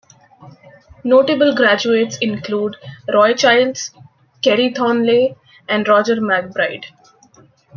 Notable graduates include Roy Childs, Kerry Thornley, and Roger MacBride.